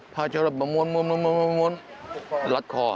พระเจ้ารับประมวลลัดคอ